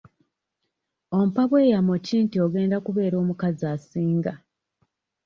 Ompa bweyamo ki nti ogenda kubeera omukazi asinga?